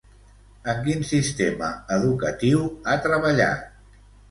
En quin sistema educatiu ha treballat?